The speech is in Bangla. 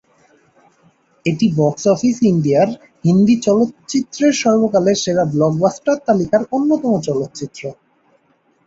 এটি বক্স অফিস ইন্ডিয়ার "হিন্দি চলচ্চিত্রের সর্বকালের সেরা ব্লকবাস্টার" তালিকার অন্যতম চলচ্চিত্র।